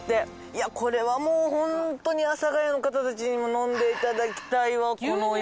いやこれはもうホントに阿佐ヶ谷の方たちにも飲んで頂きたいわこの美味しさ。